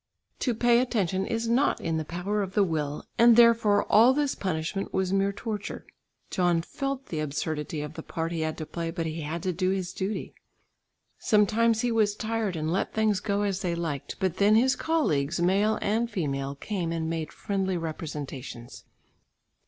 To pay attention is not in the power of the will, and therefore all this punishment was mere torture. John felt the absurdity of the part he had to play, but he had to do his duty. Sometimes he was tired and let things go as they liked, but then his colleagues, male and female, came and made friendly representations.